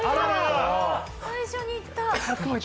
最初にいった！